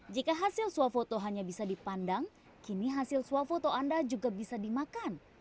jika hasil swafoto hanya bisa dipandang kini hasil swafoto anda juga bisa dimakan